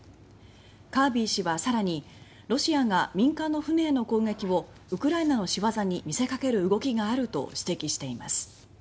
カービー氏は更にロシアが民間の船への攻撃をウクライナの仕業に見せかける動きがあると指摘しています。